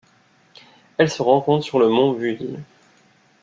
Elle se rencontre sur le mont Wuyi.